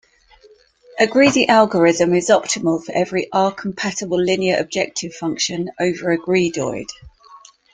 A greedy algorithm is optimal for every R-compatible linear objective function over a greedoid.